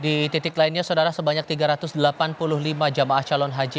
di titik lainnya saudara sebanyak tiga ratus delapan puluh lima jemaah calon haji